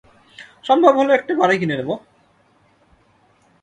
সম্ভব হলে একটা বাড়ি কিনে নেব।